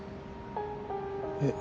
えっ